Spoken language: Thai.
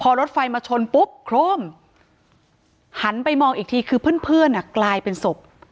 พอรถไฟมาชนปุ๊บโครมหันไปมองอีกทีคือเพื่อนเพื่อนกลายเป็นศพ